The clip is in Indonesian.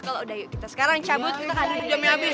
kalau udah yuk kita sekarang cabut kita akan duduk habis